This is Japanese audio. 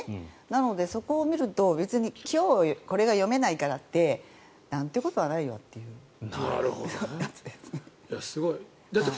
なので、そこを見ると別に今日これが読めないからってなんてことはないよってやつですね。